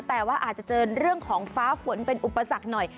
แต่ว่าอาจจะเจอเรื่องของฟ้าฝนเป็นอุปสรรคหน่อย